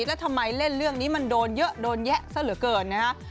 แล้วทำไมเล่นเรื่องนี้มันโดนเยอะโดนแยะซะเหลือเกินนะฮะ